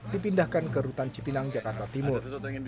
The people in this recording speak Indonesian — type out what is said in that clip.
dipindahkan ke rutan cipinang jakarta timur